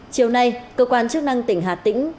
chiều nay cơ quan chức năng tỉnh hà tĩnh